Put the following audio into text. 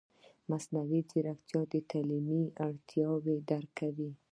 مصنوعي ځیرکتیا د تعلیمي اړتیاوو درک کوي.